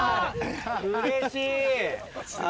うれしい！